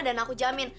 dan aku jamin